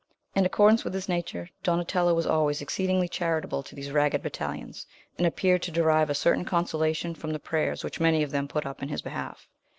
In accordance with his nature, Donatello was always exceedingly charitable to these ragged battalions, and appeared to derive a certain consolation from the prayers which many of them put up in his behalf.